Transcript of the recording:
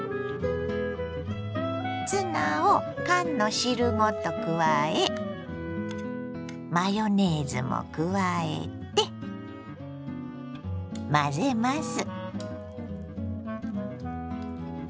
ツナを缶の汁ごと加えマヨネーズも加えて混ぜます。